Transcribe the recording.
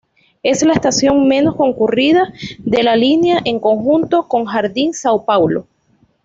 Es la estación menos concurrida de la línea, en conjunto con Jardim São Paulo.